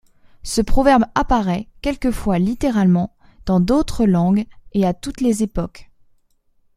Ce proverbe apparaît, quelquefois littéralement, dans d'autre langue, et à toutes les époque.